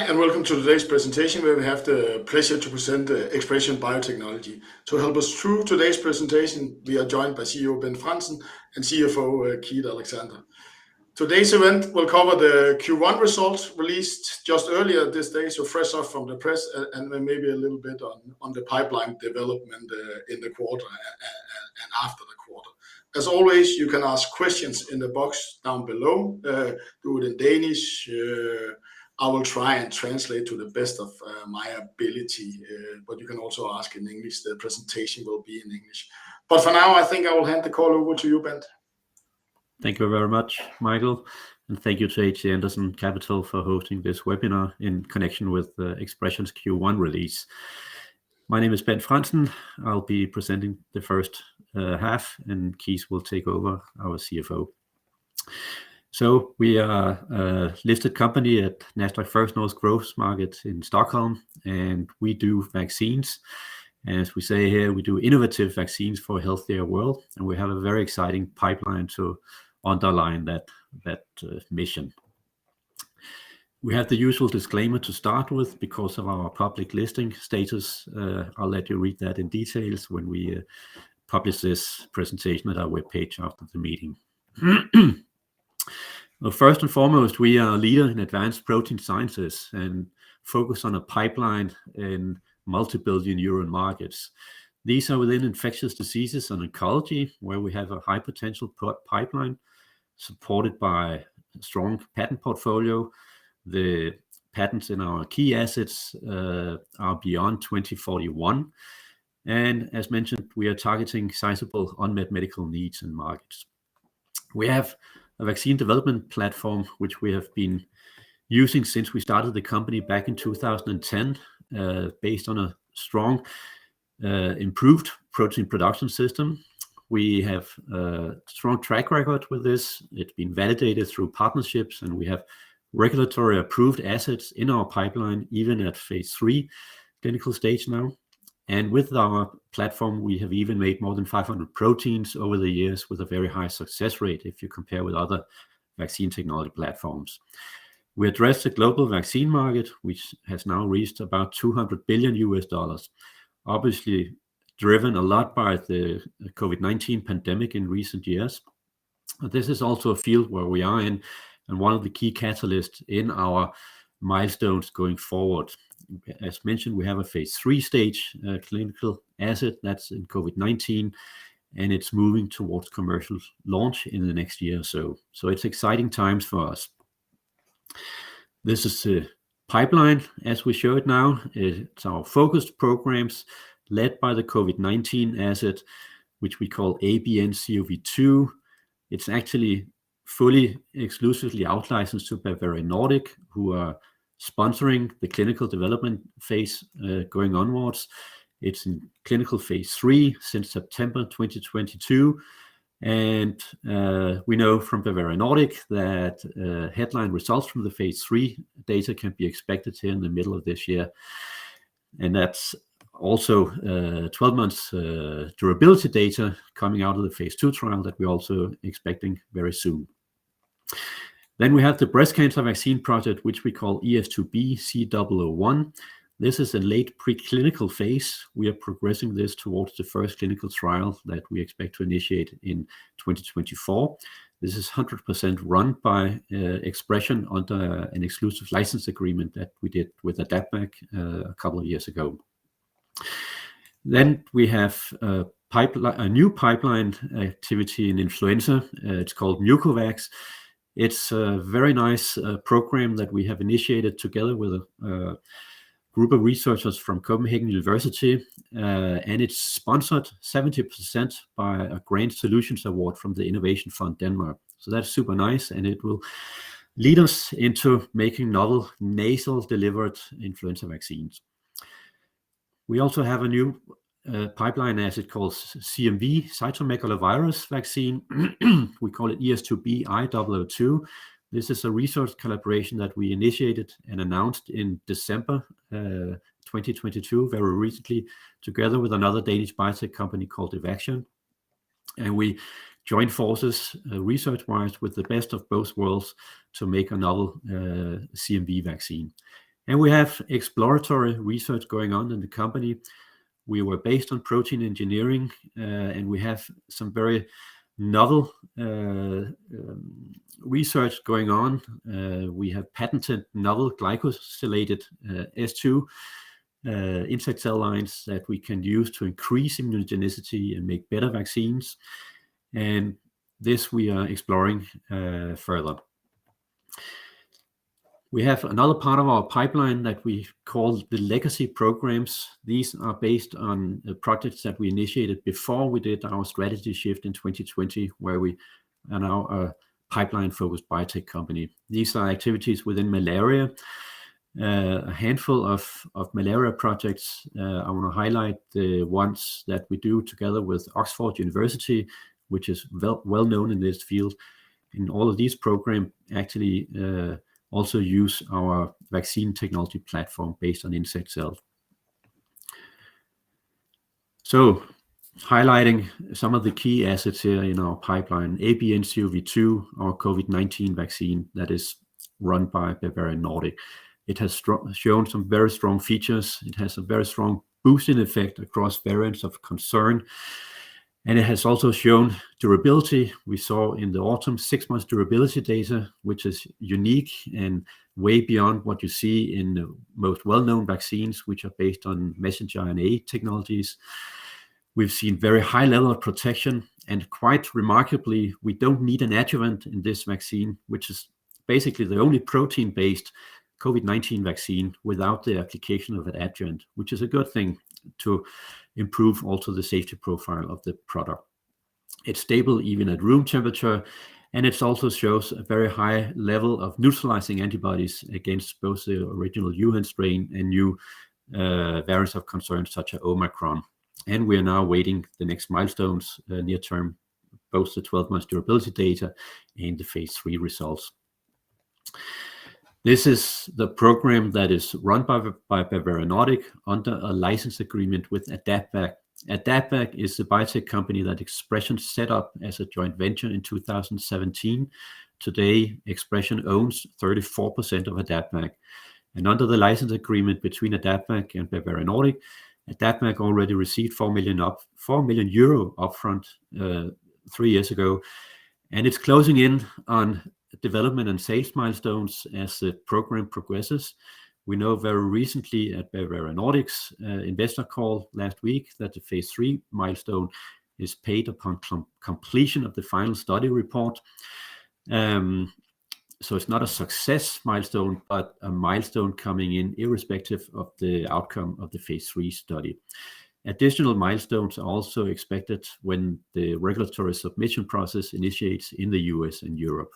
Hi, welcome to today's presentation, where we have the pleasure to present ExpreS2ion Biotechnologies. To help us through today's presentation, we are joined by CEO Bent Frandsen and CFO Keith Alexander. Today's event will cover the Q1 results released just earlier this day, so fresh out from the press, and then maybe a little bit on the pipeline development in the quarter and after the quarter. As always, you can ask questions in the box down below. Do it in Danish, I will try and translate to the best of my ability, but you can also ask in English. The presentation will be in English. For now, I think I will hand the call over to you, Bent. Thank you very much, Michael, and thank you to H.C. Andersen Capital for hosting this webinar in connection with ExpreS2ion's Q1 release. My name is Bent Frandsen. I'll be presenting the first half, and Keith will take over, our CFO. We are a listed company at Nasdaq First North Growth Market in Stockholm, and we do vaccines. As we say here, we do innovative vaccines for a healthier world, and we have a very exciting pipeline to underline that mission. We have the usual disclaimer to start with because of our public listing status. I'll let you read that in details when we publish this presentation at our webpage after the meeting. Well, first and foremost, we are a leader in advanced protein sciences and focus on a pipeline in multi-billion EUR markets. These are within infectious diseases and oncology, where we have a high-potential pipeline supported by a strong patent portfolio. The patents in our key assets are beyond 2041. As mentioned, we are targeting sizable unmet medical needs and markets. We have a vaccine development platform, which we have been using since we started the company back in 2010, based on a strong, improved protein production system. We have a strong track record with this. It's been validated through partnerships, and we have regulatory-approved assets in our pipeline, even at phase III clinical stage now. With our platform, we have even made more than 500 proteins over the years with a very high success rate if you compare with other vaccine technology platforms. We address the global vaccine market, which has now reached about $200 billion, obviously driven a lot by the COVID-19 pandemic in recent years. This is also a field where we are in, and one of the key catalysts in our milestones going forward. As mentioned, we have a phase 3 stage clinical asset that's in COVID-19, and it's moving towards commercial launch in the next year or so. It's exciting times for us. This is the pipeline as we show it now. It's our focused programs led by the COVID-19 asset, which we call ABNCoV2. It's actually fully, exclusively out-licensed to Bavarian Nordic, who are sponsoring the clinical development phase going onwards. It's in clinical phase 3 since September 2022. We know from Bavarian Nordic that headline results from the phase III data can be expected here in the middle of this year. That's also 12 months durability data coming out of the phase II trial that we're also expecting very soon. We have the breast cancer vaccine project, which we call ES2B-C001. This is a late pre-clinical phase. We are progressing this towards the first clinical trial that we expect to initiate in 2024. This is 100% run by ExpreS2ion under an exclusive license agreement that we did with AdaptVac a couple of years ago. We have a pipeline, a new pipeline activity in influenza. It's called MucoVax. It's a very nice program that we have initiated together with a group of researchers from Copenhagen University. It's sponsored 70% by a Grand Solutions award from the Innovation Fund Denmark. That's super nice, and it will lead us into making novel nasal-delivered influenza vaccines. We also have a new pipeline asset called CMV, cytomegalovirus vaccine. We call it ES2B-I002. This is a research collaboration that we initiated and announced in December 2022, very recently, together with another Danish biotech company called Evaxion. We joined forces research-wise with the best of both worlds to make a novel CMV vaccine. We have exploratory research going on in the company. We were based on protein engineering, and we have some very novel research going on. We have patented novel glycosylated S2 insect cell lines that we can use to increase immunogenicity and make better vaccines. This we are exploring further. We have another part of our pipeline that we've called the legacy programs. These are based on projects that we initiated before we did our strategy shift in 2020, where we are now a pipeline-focused biotech company. These are activities within malaria. A handful of malaria projects. I want to highlight the ones that we do together with Oxford University, which is well, well-known in this field. All of these program actually also use our vaccine technology platform based on insect cells. Highlighting some of the key assets here in our pipeline. ABNCoV2, our COVID-19 vaccine that is run by Bavarian Nordic. It has shown some very strong features. It has a very strong boosting effect across variants of concern, and it has also shown durability. We saw in the autumn six months durability data, which is unique and way beyond what you see in the most well-known vaccines, which are based on messenger RNA technologies. We've seen very high level of protection, and quite remarkably, we don't need an adjuvant in this vaccine, which is basically the only protein-based COVID-19 vaccine without the application of an adjuvant. Which is a good thing to improve also the safety profile of the product. It's stable even at room temperature, and it also shows a very high level of neutralizing antibodies against both the original Wuhan strain and new variants of concern such as Omicron. We are now awaiting the next milestones near term, both the 12 months durability data and the phase III results. This is the program that is run by Bavarian Nordic under a license agreement with AdaptVac. AdaptVac is the biotech company that ExpreS2ion set up as a joint venture in 2017. Today, ExpreS2ion owns 34% of AdaptVac. Under the license agreement between AdaptVac and Bavarian Nordic, AdaptVac already received 4 million upfront, three years ago. It's closing in on development and sales milestones as the program progresses. We know very recently at Bavarian Nordic's investor call last week that the phase III milestone is paid upon completion of the final study report. It's not a success milestone, but a milestone coming in irrespective of the outcome of the phase III study. Additional milestones are also expected when the regulatory submission process initiates in the U.S. and Europe.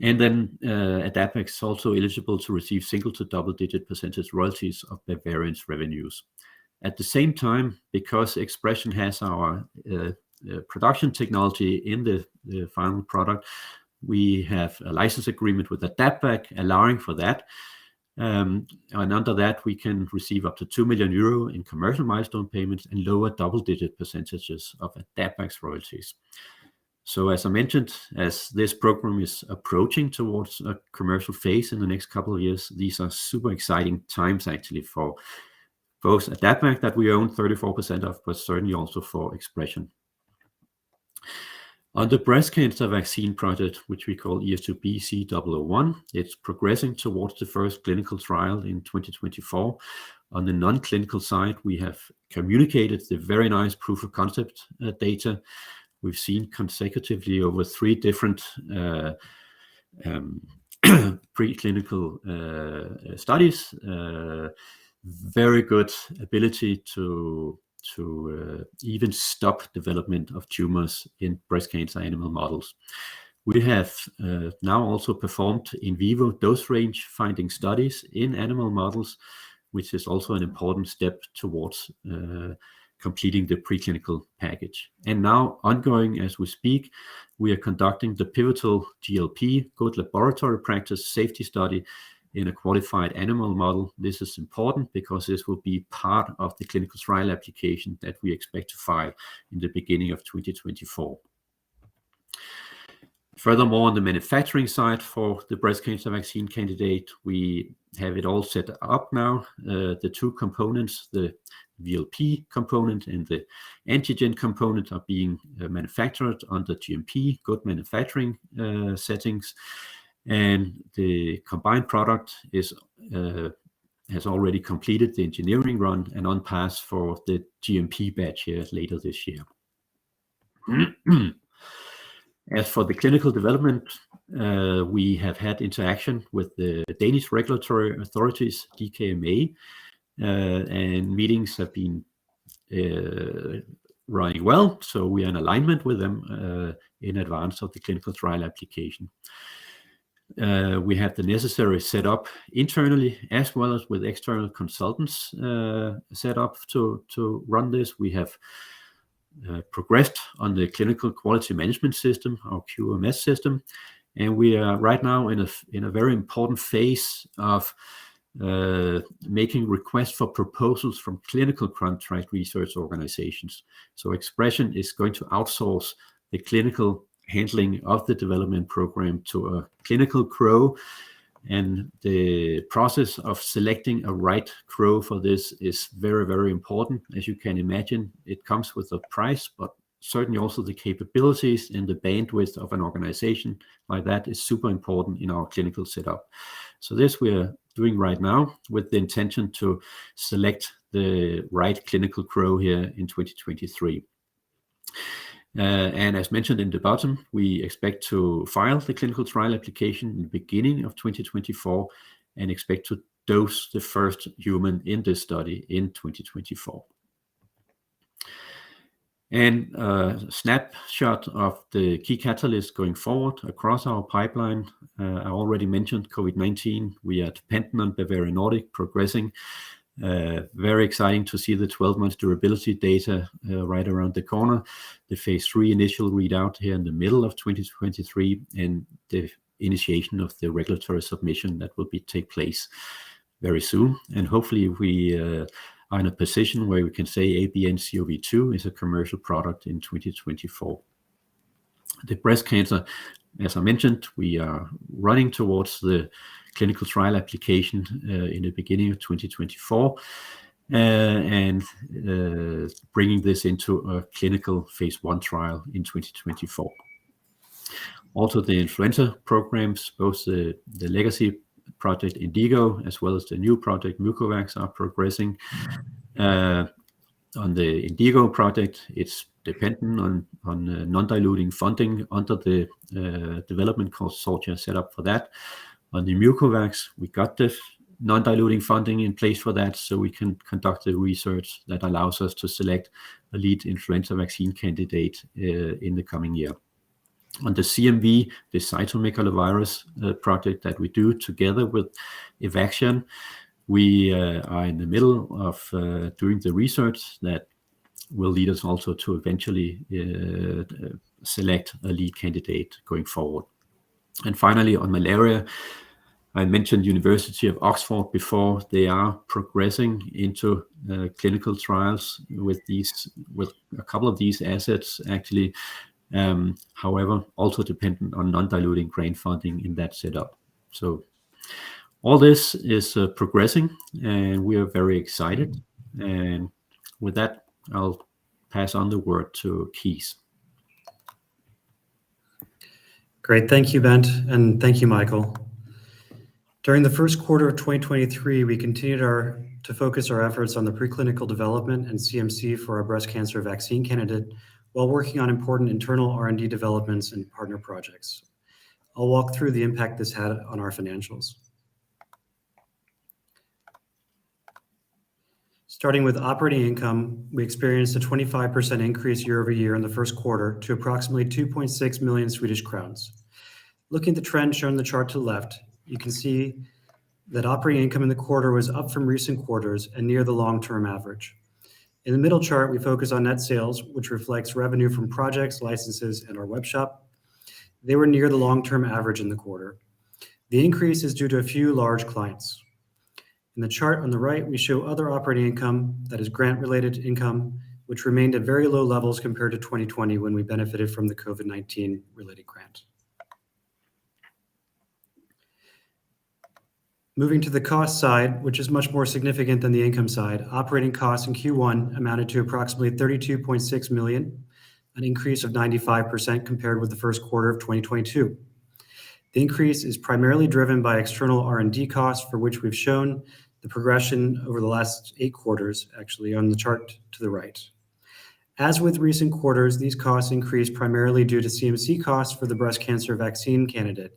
Then AdaptVac is also eligible to receive single to double-digit percentage royalties of Bavarian's revenues. At the same time, because ExpreS2ion has our production technology in the final product, we have a license agreement with AdaptVac allowing for that. Under that, we can receive up to 2 million euro in commercial milestone payments and lower double-digit percentages of AdaptVac's royalties. As I mentioned, as this program is approaching towards a commercial phase in the next couple of years, these are super exciting times actually for both AdaptVac that we own 34% of, but certainly also for ExpreS2ion. On the breast cancer vaccine project, which we call ES2B-C001, it's progressing towards the first clinical trial in 2024. On the non-clinical side, we have communicated the very nice proof of concept data. We've seen consecutively over three different pre-clinical studies. Very good ability to even stop development of tumors in breast cancer animal models. We have now also performed in vivo dose range finding studies in animal models, which is also an important step towards completing the pre-clinical package. Now ongoing as we speak, we are conducting the pivotal GLP, Good Laboratory Practice, safety study in a qualified animal model. This is important because this will be part of the clinical trial application that we expect to file in the beginning of 2024. Furthermore, on the manufacturing side for the breast cancer vaccine candidate, we have it all set up now. The two components, the VLP component and the antigen component, are being manufactured under GMP, good manufacturing, settings. The combined product is has already completed the engineering run and on path for the GMP batch here later this year. As for the clinical development, we have had interaction with the Danish regulatory authorities, DKMA, and meetings have been running well, so we are in alignment with them in advance of the clinical trial application. We have the necessary set up internally as well as with external consultants, set up to run this. We have progressed on the clinical quality management system, our QMS system. We are right now in a very important phase of making requests for proposals from clinical contract research organizations. ExpreS2ion is going to outsource the clinical handling of the development program to a clinical CRO. The process of selecting a right CRO for this is very important. As you can imagine, it comes with a price, but certainly also the capabilities and the bandwidth of an organization like that is super important in our clinical setup. This we are doing right now with the intention to select the right clinical CRO here in 2023. As mentioned in the bottom, we expect to file the clinical trial application in the beginning of 2024 and expect to dose the first human in this study in 2024. A snapshot of the key catalysts going forward across our pipeline. I already mentioned COVID-19. We are dependent on Bavarian Nordic progressing. Very exciting to see the 12 months durability data right around the corner. The phase III initial readout here in the middle of 2023, and the initiation of the regulatory submission that will be take place very soon. Hopefully, we are in a position where we can say ABNCoV2 is a commercial product in 2024. The breast cancer, as I mentioned, we are running towards the clinical trial application in the beginning of 2024, and bringing this into a clinical phase I trial in 2024. Also, the influenza programs, both the legacy project INDIGO as well as the new project MucoVax are progressing. On the INDIGO project, it's dependent on non-diluting funding under the development consult we have set up for that. On the MucoVax, we got the non-diluting funding in place for that, so we can conduct the research that allows us to select a lead influenza vaccine candidate in the coming year. On the CMV, the cytomegalovirus, project that we do together with Evaxion, we are in the middle of doing the research that will lead us also to eventually select a lead candidate going forward. Finally, on malaria, I mentioned University of Oxford before. They are progressing into clinical trials with a couple of these assets actually, however, also dependent on non-diluting grant funding in that setup. All this is progressing, and we are very excited. With that, I'll pass on the word to Keith. Great. Thank you, Bent, and thank you, Michael. During the first quarter of 2023, we continued to focus our efforts on the preclinical development and CMC for our breast cancer vaccine candidate while working on important internal R&D developments and partner projects. I'll walk through the impact this had on our financials. Starting with operating income, we experienced a 25% increase year-over-year in the first quarter to approximately 2.6 million Swedish crowns. Looking at the trend shown in the chart to the left, you can see that operating income in the quarter was up from recent quarters and near the long-term average. In the middle chart, we focus on net sales, which reflects revenue from projects, licenses, and our webshop. They were near the long-term average in the quarter. The increase is due to a few large clients. In the chart on the right, we show other operating income, that is grant-related income, which remained at very low levels compared to 2020 when we benefited from the COVID-19-related grant. Moving to the cost side, which is much more significant than the income side, operating costs in Q1 amounted to approximately 32.6 million, an increase of 95% compared with the first quarter of 2022. The increase is primarily driven by external R&D costs, for which we've shown the progression over the last eight quarters, actually, on the chart to the right. As with recent quarters, these costs increased primarily due to CMC costs for the breast cancer vaccine candidate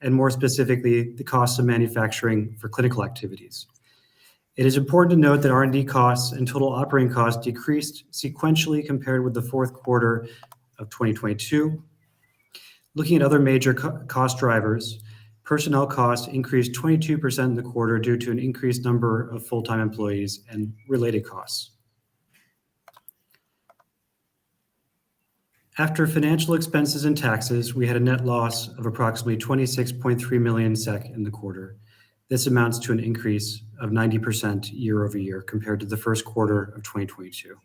and more specifically, the cost of manufacturing for clinical activities. It is important to note that R&D costs and total operating costs decreased sequentially compared with the fourth quarter of 2022. Looking at other major co-cost drivers, personnel costs increased 22% in the quarter due to an increased number of full-time employees and related costs. After financial expenses and taxes, we had a net loss of approximately 26.3 million SEK in the quarter. This amounts to an increase of 90% year-over-year compared to the first quarter of 2022.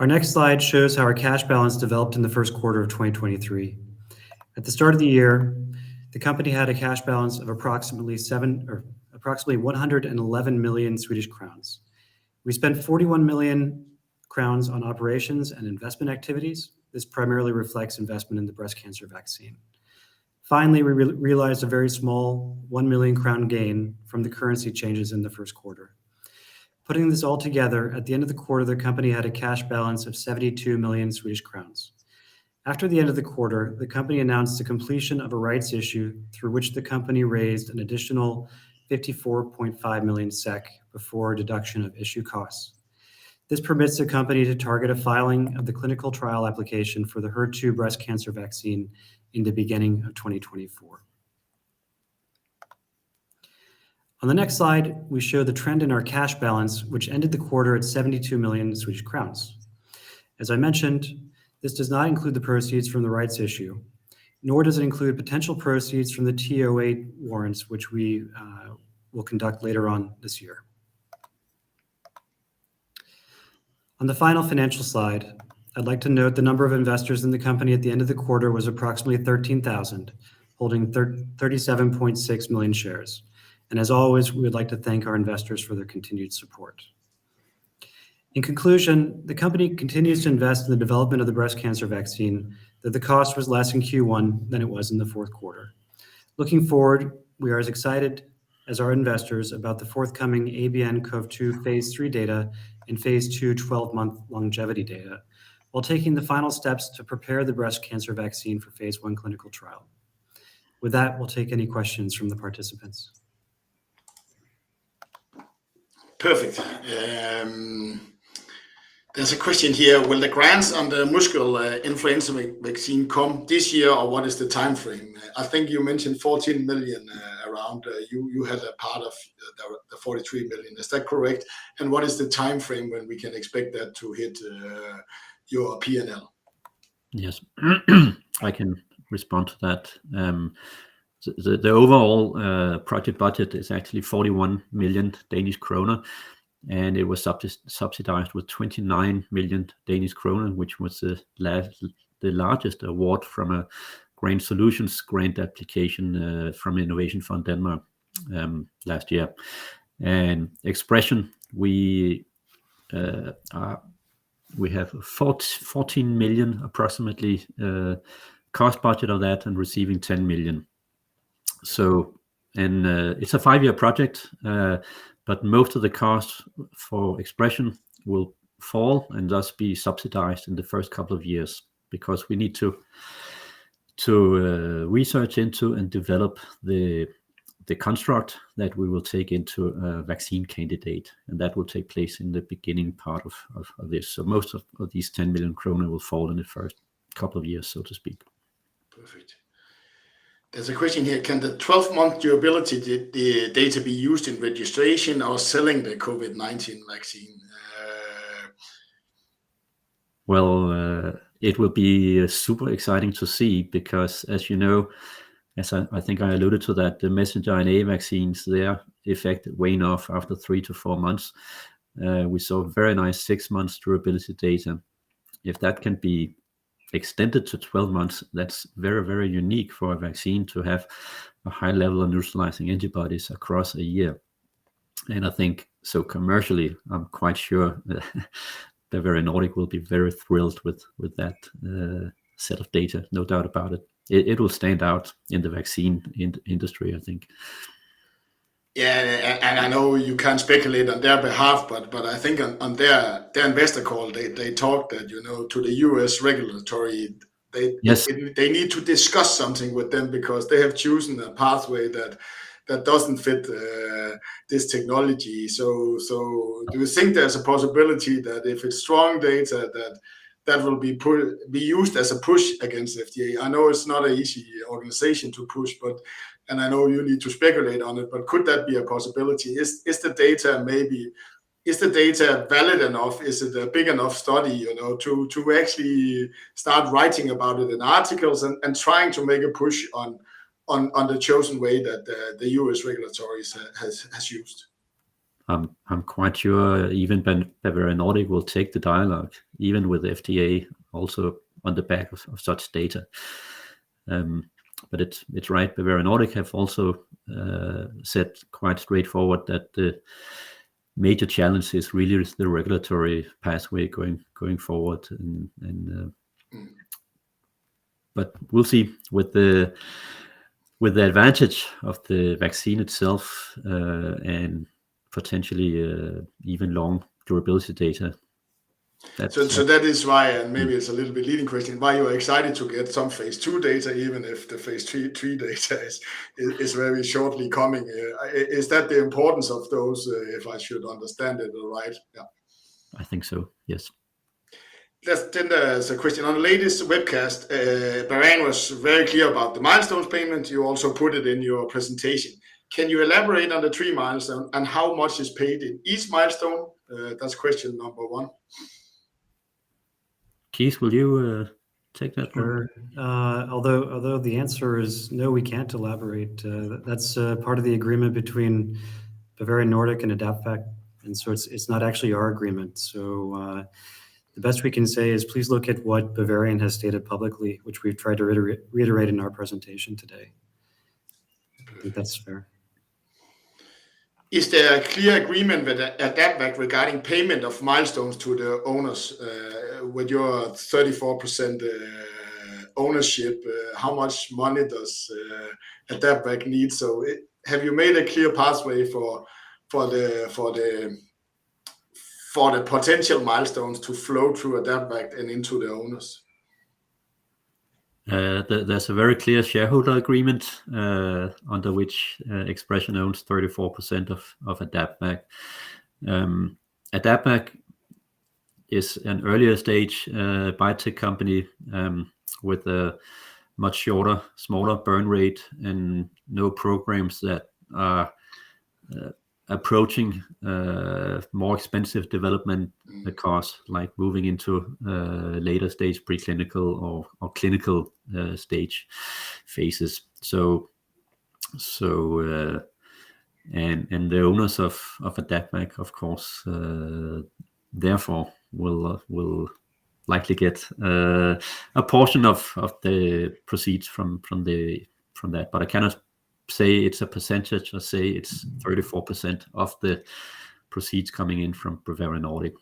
Our next slide shows how our cash balance developed in the first quarter of 2023. At the start of the year, the company had a cash balance of approximately 111 million Swedish crowns. We spent 41 million crowns on operations and investment activities. This primarily reflects investment in the breast cancer vaccine. Finally, we realized a very small 1 million crown gain from the currency changes in the first quarter. Putting this all together, at the end of the quarter, the company had a cash balance of 72 million Swedish crowns. After the end of the quarter, the company announced the completion of a rights issue through which the company raised an additional 54.5 million SEK before deduction of issue costs. This permits the company to target a filing of the clinical trial application for the HER2 breast cancer vaccine in the beginning of 2024. On the next slide, we show the trend in our cash balance, which ended the quarter at 72 million Swedish crowns. As I mentioned, this does not include the proceeds from the rights issue, nor does it include potential proceeds from the TO-8 warrants, which we will conduct later on this year. On the final financial slide, I'd like to note the number of investors in the company at the end of the quarter was approximately 13,000, holding 37.6 million shares. As always, we would like to thank our investors for their continued support. In conclusion, the company continues to invest in the development of the breast cancer vaccine, that the cost was less in Q1 than it was in the fourth quarter. Looking forward, we are as excited as our investors about the forthcoming ABNCoV2 phase III data and phase II 12-month longevity data, while taking the final steps to prepare the breast cancer vaccine for phase I clinical trial. With that, we'll take any questions from the participants. Perfect. There's a question here. Will the grants on the MucoVax influenza vaccine come this year, or what is the timeframe? I think you mentioned 14 million around, you have a part of the 43 million. Is that correct? What is the timeframe when we can expect that to hit your P&L? Yes. I can respond to that. The overall project budget is actually 41 million Danish kroner, and it was subsidized with 29 million Danish kroner, which was the largest award from a Grand Solutions grant application from Innovation Fund Denmark last year. ExpreS2ion, we have 14 million approximately cost budget on that and receiving 10 million. It's a 5-year project, but most of the cost for ExpreS2ion will fall and thus be subsidized in the first couple of years because we need to research into and develop the construct that we will take into a vaccine candidate, and that will take place in the beginning part of this. Most of these 10 billion kroner will fall in the first couple of years, so to speak. Perfect. There's a question here. Can the 12-month durability data be used in registration or selling the COVID-19 vaccine? Well, it will be super exciting to see because as you know, as I think I alluded to that the messenger RNA vaccines, their effect wane off after three to four months. We saw very nice six months durability data. If that can be extended to 12 months, that's very, very unique for a vaccine to have a high level of neutralizing antibodies across a year. I think so commercially, I'm quite sure that Bavarian Nordic will be very thrilled with that set of data. No doubt about it. It will stand out in the vaccine industry, I think. Yeah. I know you can't speculate on their behalf, but I think on their investor call, they talked that, you know, to the U.S. regulatory. Yes They need to discuss something with them because they have chosen a pathway that doesn't fit this technology. Do you think there's a possibility that if it's strong data that will be used as a push against FDA? I know it's not an easy organization to push, but. I know you need to speculate on it, but could that be a possibility? Is the data maybe? Is the data valid enough? Is it a big enough study, you know, to actually start writing about it in articles and trying to make a push on the chosen way that the U.S. regulatory has used? I'm quite sure even Bavarian Nordic will take the dialogue, even with FDA also on the back of such data. It's right. Bavarian Nordic have also said quite straightforward that the major challenge is really is the regulatory pathway going forward and we'll see with the, with the advantage of the vaccine itself, and potentially, even long durability data. That is why, and maybe it's a little bit leading question, why you are excited to get some phase II data, even if the phase III data is very shortly coming. Is that the importance of those, if I should understand it right? Yeah. I think so, yes. There's a question. On the latest webcast, Bavarian was very clear about the milestones payment. You also put it in your presentation. Can you elaborate on the three milestone and how much is paid in each milestone? That's question number one. Keith, will you take that one? Sure. Although the answer is no, we can't elaborate. That's part of the agreement between Bavarian Nordic and AdaptVac. It's not actually our agreement. The best we can say is please look at what Bavarian has stated publicly, which we've tried to iterate, reiterate in our presentation today. Okay. I think that's fair. Is there a clear agreement with AdaptVac regarding payment of milestones to the owners, with your 34% ownership? How much money does AdaptVac need? Have you made a clear pathway for the potential milestones to flow through AdaptVac and into the owners? There's a very clear shareholder agreement under which ExpreS2ion owns 34% of AdaptVac. AdaptVac is an earlier stage biotech company with a much shorter, smaller burn rate and no programs that are approaching more expensive development costs, like moving into later stage pre-clinical or clinical stage phases. The owners of AdaptVac, of course, therefore will likely get a portion of the proceeds from that. I cannot say it's a percentage. I say it's 34% of the proceeds coming in from Bavarian Nordic.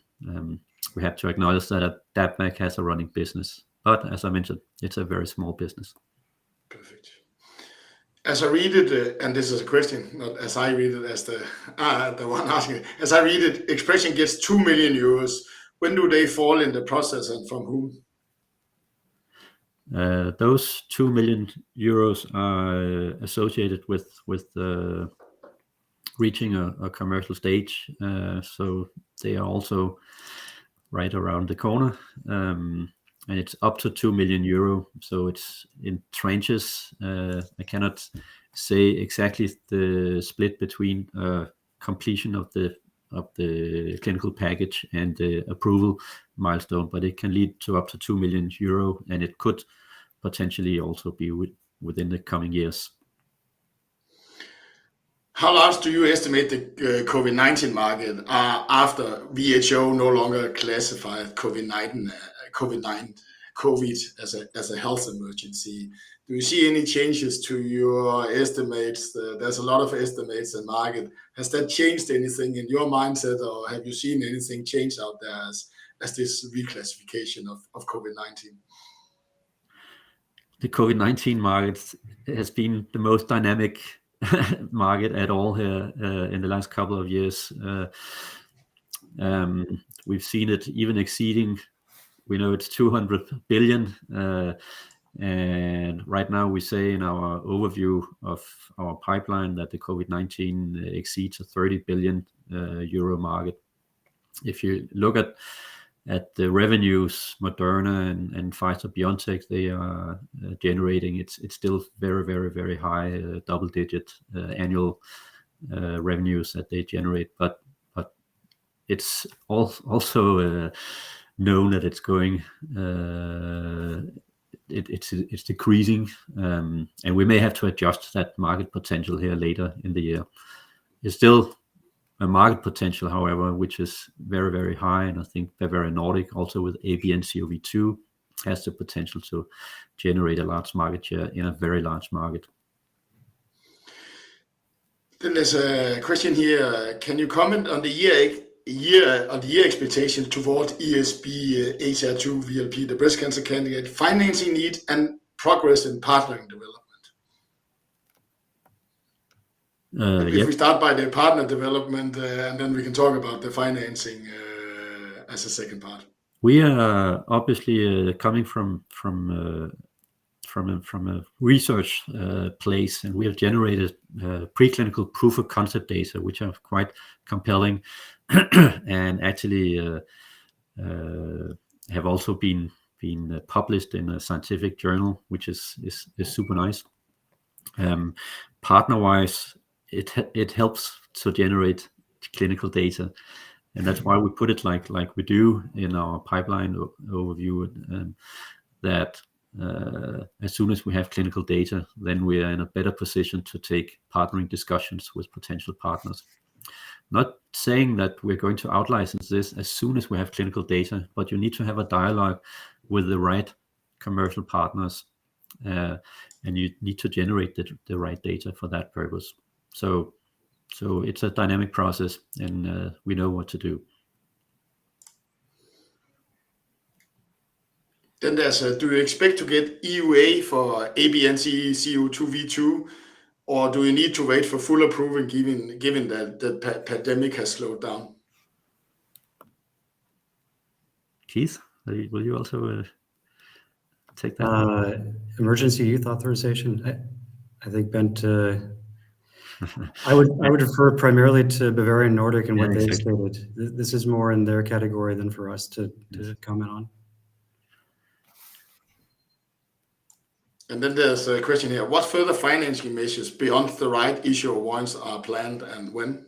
We have to acknowledge that AdaptVac has a running business, but as I mentioned, it's a very small business. Perfect. As I read it, and this is a question, not as I read it, as the one asking. As I read it, ExpreS2ion gets 2 million euros. When do they fall in the process, and from whom? Those 2 million euros are associated with reaching a commercial stage. They are also right around the corner. It's up to 2 million euro, so it's in trenches. I cannot say exactly the split between Completion of the clinical package and the approval milestone, but it can lead to up to 2 million euro, and it could potentially also be within the coming years. How large do you estimate the COVID-19 market after WHO no longer classified COVID-19, COVID as a health emergency? Do you see any changes to your estimates? There's a lot of estimates in market. Has that changed anything in your mindset, or have you seen anything change out there as this reclassification of COVID-19? The COVID-19 market has been the most dynamic market at all here in the last couple of years. We've seen it even exceeding, we know, it's $200 billion. Right now we say in our overview of our pipeline that the COVID-19 exceeds a 30 billion euro market. If you look at the revenues Moderna and Pfizer-BioNTech they are generating, it's still very, very, very high double-digit annual revenues that they generate. But it's also known that it's going, it's decreasing. We may have to adjust that market potential here later in the year. There's still a market potential, however, which is very, very high, and I think Bavarian Nordic also with ABO-003 has the potential to generate a large market share in a very large market. There's a question here. Can you comment on the year expectation toward ES2B-C001 VLP, the breast cancer candidate, financing need, and progress in partnering development? Uh, yeah-- If we start by the partner development, and then we can talk about the financing, as a second part. We are obviously coming from a research place, and we have generated preclinical proof-of-concept data which are quite compelling, and actually have also been published in a scientific journal, which is super nice. partner-wise it helps to generate clinical data, and that's why we put it like we do in our pipeline overview. That, as soon as we have clinical data, then we are in a better position to take partnering discussions with potential partners. Not saying that we're going to out-license this as soon as we have clinical data, but you need to have a dialogue with the right commercial partners, and you need to generate the right data for that purpose. It's a dynamic process, and we know what to do. Do you expect to get EUA for ABNCoV2, or do you need to wait for full approval given that the pandemic has slowed down? Keith, will you also take that one? Emergency Use Authorization? I think Bent I would refer primarily to Bavarian Nordic and what they-- Yeah Said. This is more in their category than for us to comment on. There's a question here. What further financing measures beyond the right issue warrants are planned, and when?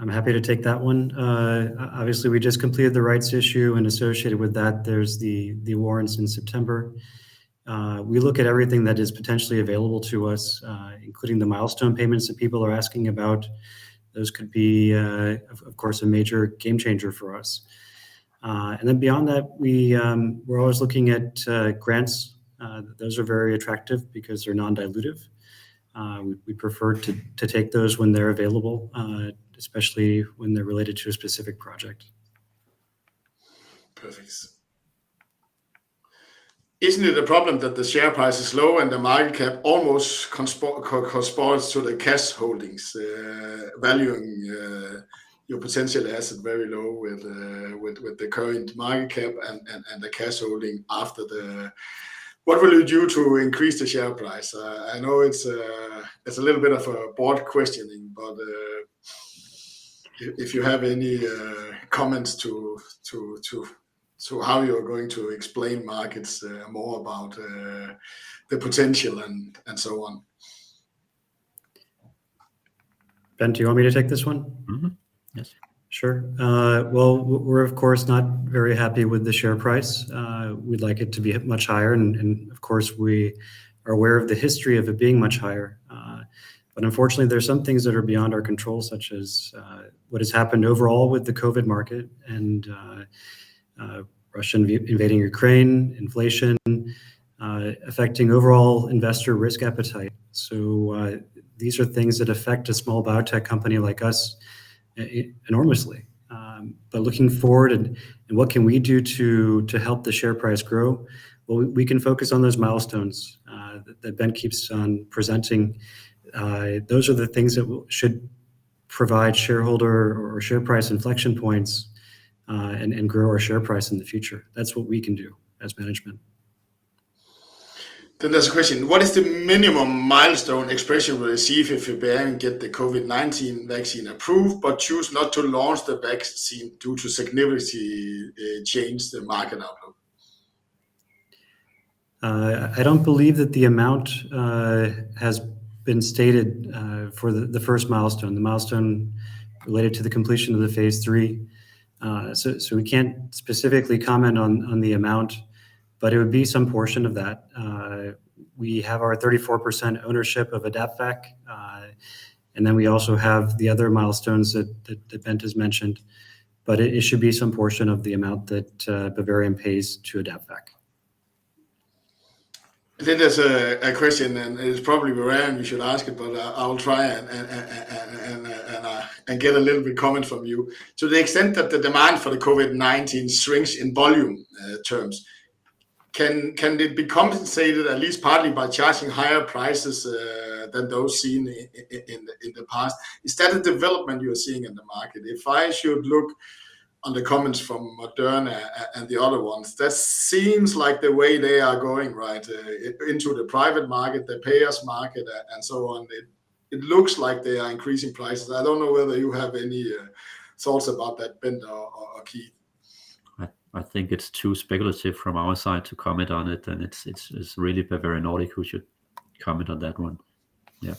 I'm happy to take that one. Obviously, we just completed the rights issue. Associated with that, there's the warrants in September. We look at everything that is potentially available to us, including the milestone payments that people are asking about. Those could be, of course, a major game-changer for us. Beyond that, we're always looking at grants. Those are very attractive because they're non-dilutive. We prefer to take those when they're available, especially when they're related to a specific project. Perfect. Isn't it a problem that the share price is low and the market cap almost corresponds to the cash holdings, valuing your potential asset very low with the current market cap and the cash holding after the--what will you do to increase the share price? I know it's a little bit of a broad questioning, if you have any comments to how you're going to explain markets, more about the potential, and so on. Bent, do you want me to take this one? Yes. Sure. Well, we're of course, not very happy with the share price. We'd like it to be much higher, and of course, we are aware of the history of it being much higher. Unfortunately, there are some things that are beyond our control, such as, what has happened overall with the COVID market and Russian invading Ukraine, inflation, affecting overall investor risk appetite. These are things that affect a small biotech company like us enormously. But looking forward and what can we do to help the share price grow? Well, we can focus on those milestones that Bent keeps on presenting. Those are the things that will should provide shareholder or share price inflection points and grow our share price in the future. That's what we can do as management. There's a question. What is the minimum milestone ExpreS2ion will receive if Bavarian get the COVID-19 vaccine approved but choose not to launch the vaccine due to significantly change the market outlook? I don't believe that the amount has been stated for the first milestone, the milestone related to the completion of the phase III. We can't specifically comment on the amount, but it would be some portion of that. We have our 34% ownership of AdaptVac. Then we also have the other milestones that Bent has mentioned. It should be some portion of the amount that Bavarian pays to AdaptVac. There's a question, and it is probably Bavarian we should ask it, but I'll try and get a little bit comment from you. To the extent that the demand for the COVID-19 shrinks in volume terms, can it be compensated at least partly by charging higher prices than those seen in the past? Is that a development you are seeing in the market? If I should look on the comments from Moderna and the other ones, that seems like the way they are going, right? into the private market, the payers market, and so on. It looks like they are increasing prices. I don't know whether you have any thoughts about that, Bent or Keith. I think it's too speculative from our side to comment on it, and it's really Bavarian Nordic who should comment on that one. Yeah.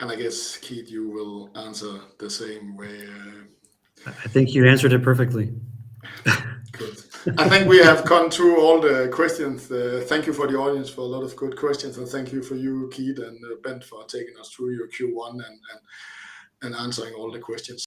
I guess, Keith, you will answer the same way. I think you answered it perfectly. Good. I think we have gone through all the questions. Thank you for the audience for a lot of good questions, and thank you for you, Keith and Bent, for taking us through your Q1 and answering all the questions.